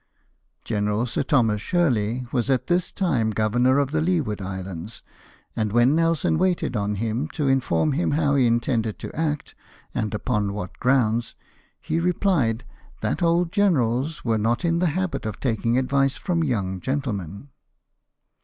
General Sir Thomas Shirley was at this time Governor of the Leeward Islands ; and when Nelson waited on him to inform him how he intended to act, and upon what grounds, he rephed, that "old generals were not in the habit of taking advice from young gentlemen."